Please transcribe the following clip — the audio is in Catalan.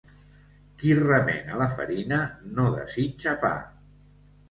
Qui remena la farina no desitja pa.